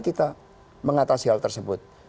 kita mengatasi hal tersebut